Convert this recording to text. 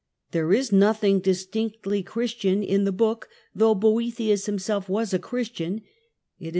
There is nothing distinctively Christian in the book, though Boethius himself was a Christian ; it is